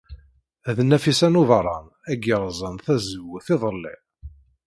D Nafisa n Ubeṛṛan ay yerẓan tazewwut iḍelli.